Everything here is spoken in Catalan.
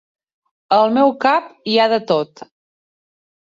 Al meu cap hi ha de tot.